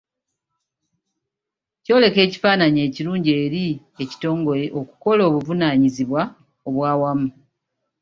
Kyoleka ekifaananyi ekirungi eri ekitongole okukola obuvunaanyizibwa obwa wamu.